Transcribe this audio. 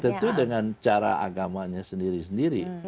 tentu dengan cara agamanya sendiri sendiri